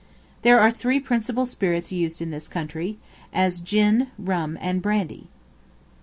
There are three principal spirits used in this country, as gin, rum, and brandy.